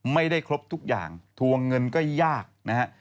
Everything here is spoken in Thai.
ไม่ได้ครบทุกอย่างทวงเงินก็ยากนะฮะ